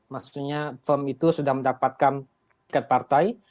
maksudnya firm itu sudah mendapatkan tiket partai